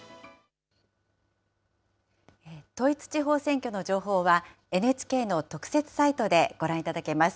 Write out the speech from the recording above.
統一地方選挙の情報は、ＮＨＫの特設サイトでご覧いただけます。